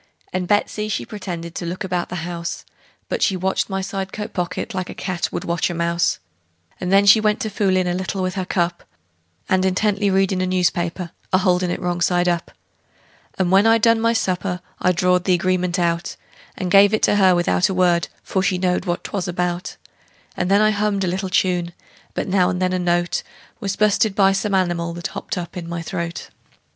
And Betsey, she pretended to look about the house, But she watched my side coat pocket like a cat would watch a mouse: And then she went to foolin' a little with her cup, And intently readin' a newspaper, a holdin' it wrong side up. "AND INTENTLY READIN' A NEWSPAPER, A HOLDIN' IT WRONG SIDE UP." And when I'd done my supper I drawed the agreement out, And give it to her without a word, for she knowed what 'twas about; And then I hummed a little tune, but now and then a note Was bu'sted by some animal that hopped up in my throat.